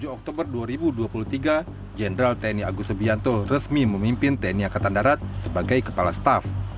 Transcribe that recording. tujuh oktober dua ribu dua puluh tiga jenderal tni agus subianto resmi memimpin tni angkatan darat sebagai kepala staf